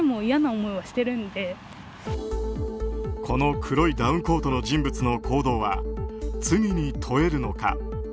この黒いダウンコートの人物の行動は罪に問えるのか。